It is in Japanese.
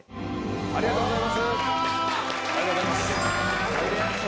ありがとうございます。